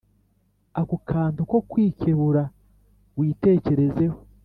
Ako kantu ko kwikebuka witekerezeho